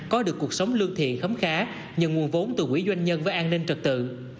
có được cuộc sống lương thiện khấm khá nhận nguồn vốn từ quỹ doanh nhân với an ninh trật tự